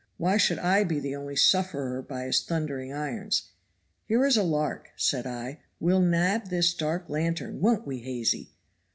Why should I be the only sufferer by his thundering irons? 'Here is a lark,' said I, 'we'll nab this dark lantern won't we, Hazy?'